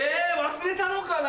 忘れたのかな？